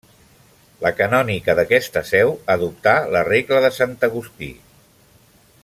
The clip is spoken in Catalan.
La canònica d’aquesta seu adoptà la regla de sant Agustí.